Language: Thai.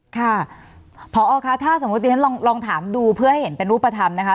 ค่ะพอคะถ้าสมมุติเรียนลองถามดูเพื่อให้เห็นเป็นรูปธรรมนะคะ